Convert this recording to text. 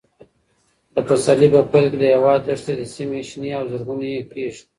د پسرلي په پیل کې د هېواد دښتي سیمې شنې او زرغونې کېږي.